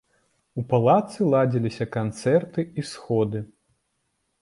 У палацы ладзіліся канцэрты і сходы.